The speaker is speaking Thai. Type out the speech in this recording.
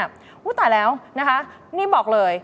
ตายแล้วนะคะนี่บอกเลย